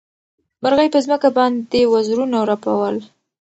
مرغۍ په ځمکه باندې وزرونه رپول.